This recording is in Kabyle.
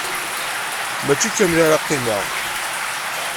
Mačči kamel ara qqimeɣ.